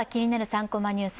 ３コマニュース」